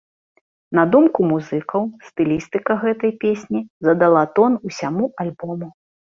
На думку музыкаў, стылістыка гэтай песні задала тон усяму альбому.